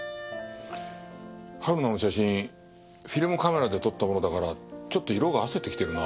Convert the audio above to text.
春菜の写真フィルムカメラで撮ったものだからちょっと色が褪せてきてるな。